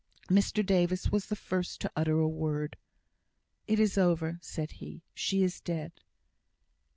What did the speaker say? Mr Davis was the first to utter a word. "It is over!" said he. "She is dead!"